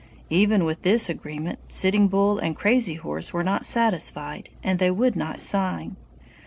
Even with this agreement Sitting Bull and Crazy Horse were not satisfied, and they would not sign.